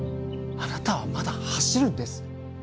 あなたはまだ走るんです！